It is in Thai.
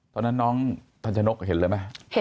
ตอนนั้นน้องทันชนกเห็นเลยไหม